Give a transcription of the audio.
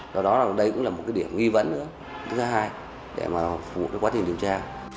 do đó đây cũng là một cái điểm nghi vấn nữa thứ hai để mà phục vụ quá trình điều tra